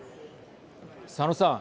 佐野さん。